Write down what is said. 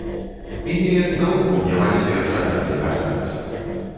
І неяк наогул няма цяпер жадання вяртацца.